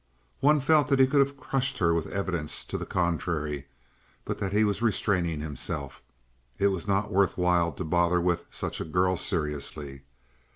One felt that he could have crushed her with evidence to the contrary but that he was restraining himself it was not worthwhile to bother with such a girl seriously.